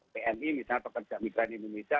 pmi misalnya pekerja migran indonesia